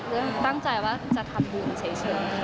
ตั้งใจว่าจะทำบุญเฉย